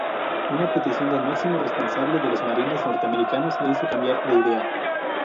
Una petición del máximo responsable de los Marines norteamericanos le hizo cambiar de idea.